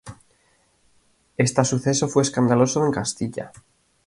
Esta suceso fue escandaloso en Castilla.